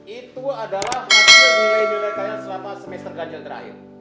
itu adalah nilai kalian selama semester ganjil terakhir